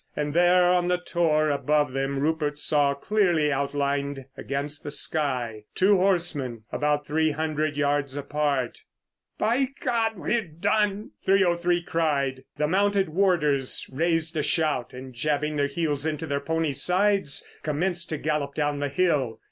And there on the tor above them Rupert saw clearly outlined against the sky two horsemen, about three hundred yards apart. "By God, we're done!" 303 cried. The mounted warders raised a shout, and jabbing their heels into their ponies' sides, commenced to gallop down the hill.